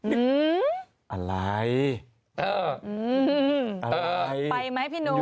อืมอะไรเอออืมอะไรไปไหมพี่นุม